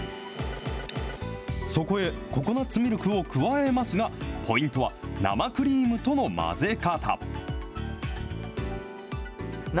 そこへココナツミルクを加えますが、ポイントは生クリームとの混ぜ方。